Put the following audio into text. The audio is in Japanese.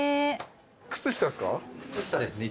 靴下っすか？